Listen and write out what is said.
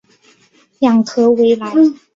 昂格维莱。